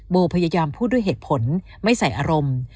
พยายามพูดด้วยเหตุผลไม่ใส่อารมณ์